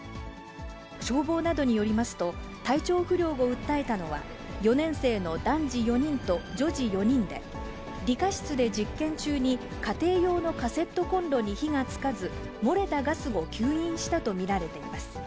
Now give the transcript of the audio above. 消防などによりますと、体調不良を訴えたのは、４年生の男児４人と女児４人で、理科室で実験中に、家庭用のカセットコンロに火がつかず、漏れたガスを吸引したと見られています。